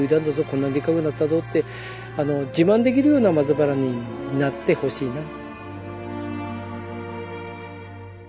こんなにでっかくなったぞって自慢できるような松原になってほしいな。